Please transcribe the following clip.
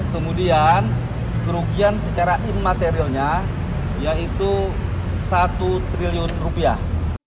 kemudian kerugian secara imaterialnya yaitu satu triliun rupiah